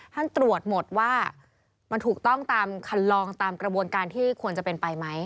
ท่านตรวจหมดว่ามันถูกต้องตามคันลองตามกระบวนการที่ควรจะเป็นไปไหม